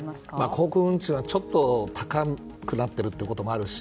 航空運賃は、ちょっと高くなってるってこともあるし